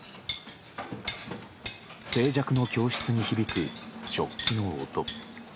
静寂の教室に響く食器の音。